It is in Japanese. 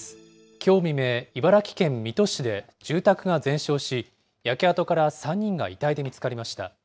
きょう未明、茨城県水戸市で住宅が全焼し、焼け跡から３人が遺体で見つかりました。